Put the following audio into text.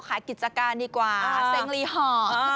ขายกิจการดีกว่าบรรยาเฉิน